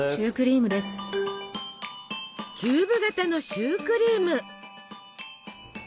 キューブ型のシュークリーム。